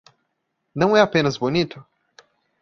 Não é apenas bonito?